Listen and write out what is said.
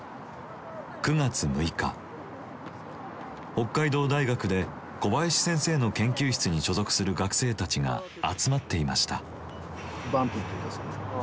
北海道大学で小林先生の研究室に所属する学生たちが集まっていました。